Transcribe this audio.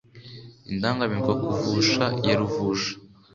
Indangamirwa kuvusha ya ruvusha